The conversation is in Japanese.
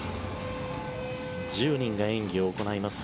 １０人が演技を行います